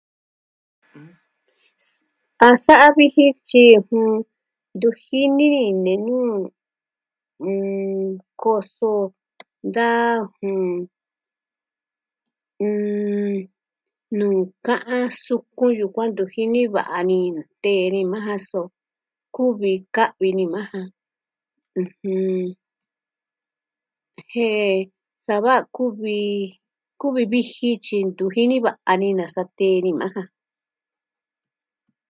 A sa'a vijin tyi, ntu jini nee nu koso da nuu ka'an suku yukuan ntu jini va'a ni. tee ni maa ja so. Kuvi ka'vi ni maa ja jen sava kuvi... kuvi vixin tyi ntu jini va'a ni nasa tee ni maa ja.